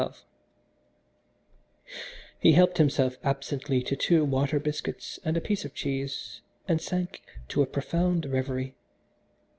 XII He helped himself absently to two water biscuits and a piece of cheese and sank to a profound reverie.